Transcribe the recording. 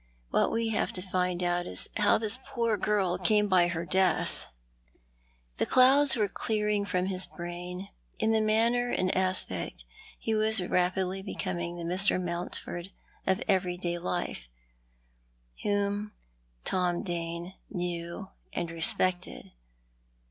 AVhat we have to find out is how this jioor girl came by her death." The clouds were clearing from his brain, and in manner and aspect he was rapidly becoming the Mr. Mountford of everyday life, whom Tom Dane knew and respected.